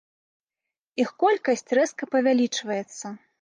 Іх колькасць рэзка павялічваецца.